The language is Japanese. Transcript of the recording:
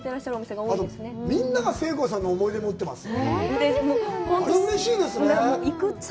あと、みんなが聖子さんの思い出持ってますよね。